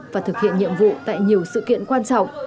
và thực hiện nhiệm vụ tại nhiều sự kiện quan trọng